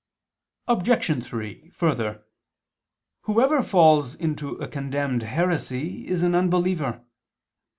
Obj. 3: Further, whoever falls into a condemned heresy, is an unbeliever.